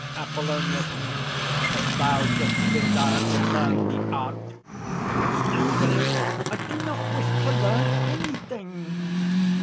APOLLONIUS. "If thou shouldst desire to learn the art ..." ANTHONY. "I do not wish to learn anything!"